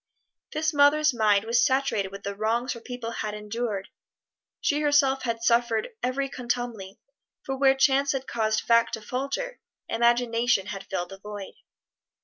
This mother's mind was saturated with the wrongs her people had endured: she herself had suffered every contumely, for where chance had caused fact to falter, imagination had filled the void.